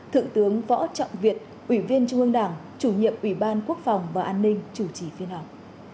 thượng tướng võ trọng việt ủy viên trung ương đảng chủ nhiệm ủy ban quốc phòng và an ninh chủ trì phiên họp